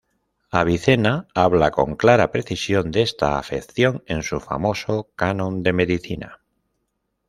Avicena habla con clara precisión de esta afección en su famoso Canon de medicina.